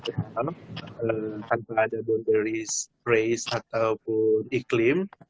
tanpa ada boundaris race ataupun iklim